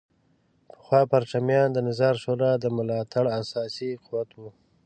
پخوا پرچمیان د نظار شورا د ملاتړ اساسي قوت وو.